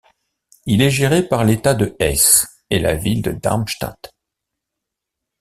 Il est géré par l'État de Hesse et la ville de Darmstadt.